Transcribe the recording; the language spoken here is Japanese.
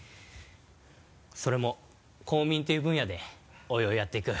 それも公民っていう分野でおいおいやっていく。